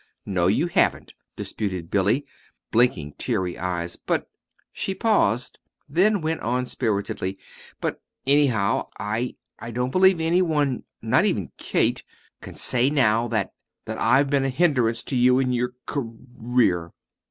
"No, you haven't," disputed Billy, blinking teary eyes; "but " she paused, then went on spiritedly, "but, anyhow, I I don't believe any one not even Kate can say now that that I've been a hindrance to you in your c career!"